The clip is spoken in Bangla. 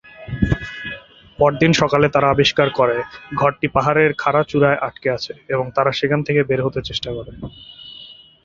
পরদিন সকালে তারা আবিষ্কার করে ঘরটি পাহাড়ের খাড়া চূড়ায় আটকে আছে এবং তারা সেখান থেকে বের হতে চেষ্টা করে।